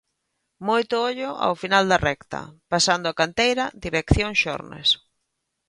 Moito ollo ao final da recta, pasando a canteira dirección Xornes.